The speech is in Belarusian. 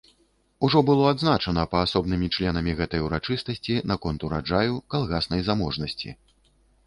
Ужо было адзначана паасобнымі членамі гэтай урачыстасці наконт ураджаю, калгаснай заможнасці.